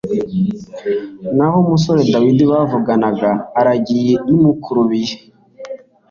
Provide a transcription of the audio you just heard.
naho umusore Dawidi bavuganaga aragiye imukurubi ye.